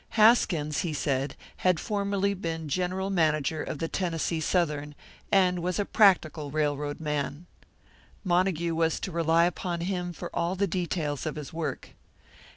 Haskins, he said, had formerly been general manager of the Tennessee Southern, and was a practical railroad man. Montague was to rely upon him for all the details of his work.